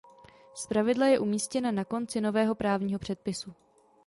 Zpravidla je umístěna na konci nového právního předpisu.